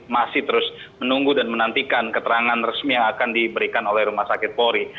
masih terus menunggu dan menantikan keterangan resmi yang akan diberikan oleh rumah sakit polri